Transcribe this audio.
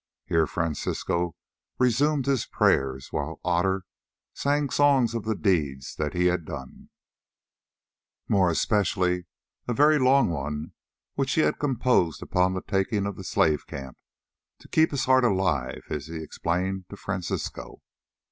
Here Francisco resumed his prayers, while Otter sang songs of the deeds that he had done, and more especially a very long one which he had composed upon the taking of the slave camp—"to keep his heart alive," as he explained to Francisco.